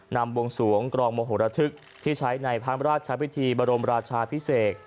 นำวงสวงกรองมโหระทึกที่ใช้ในพระราชพิธีบรมราชาพิเศษ